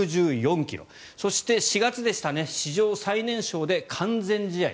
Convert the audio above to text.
そして、４月史上最年少で完全試合。